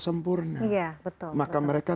sempurna maka mereka